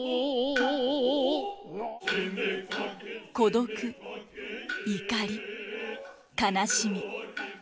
孤独怒り悲しみ。